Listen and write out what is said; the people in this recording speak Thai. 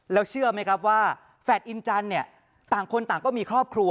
แล้วเชื่อไหมครับว่าแฝดอินจันทร์เนี่ยต่างคนต่างก็มีครอบครัว